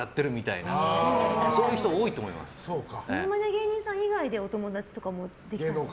芸人さん以外でお友達とかもできたんですか？